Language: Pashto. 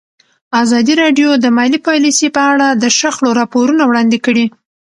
ازادي راډیو د مالي پالیسي په اړه د شخړو راپورونه وړاندې کړي.